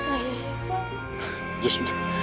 aku ingin mencari kamu